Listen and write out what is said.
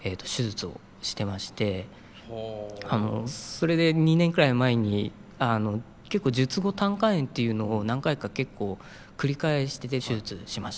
それで２年くらい前に結構術後胆管炎っていうのを何回か結構繰り返してて手術しました。